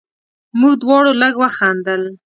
موږ دواړو لږ وخندل.